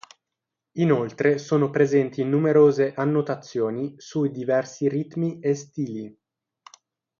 Inoltre sono presenti numerose annotazioni sui diversi ritmi e stili.